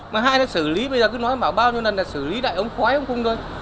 mà hai là xử lý bây giờ cứ nói bảo bao nhiêu lần là xử lý đại ống khói ông cung thôi